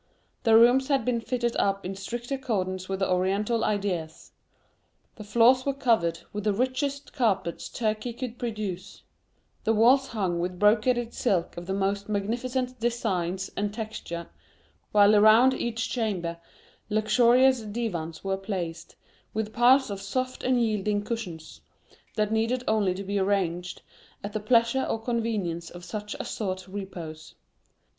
The rooms had been fitted up in strict accordance with Oriental ideas; the floors were covered with the richest carpets Turkey could produce; the walls hung with brocaded silk of the most magnificent designs and texture; while around each chamber luxurious divans were placed, with piles of soft and yielding cushions, that needed only to be arranged at the pleasure or convenience of such as sought repose.